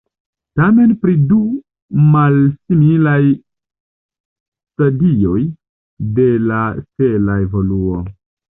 Temas pri du malsimilaj stadioj de la stela evoluo.